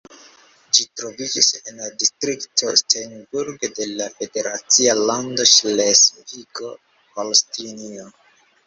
Ĝi troviĝis en la distrikto Steinburg de la federacia lando Ŝlesvigo-Holstinio.